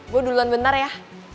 gue duluan bentar ya